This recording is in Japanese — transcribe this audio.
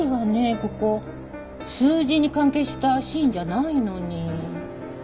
ここ数字に関係したシーンじゃないのに。